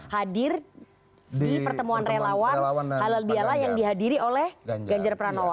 hadir di pertemuan relawan halal biala yang dihadiri oleh ganjar pranowo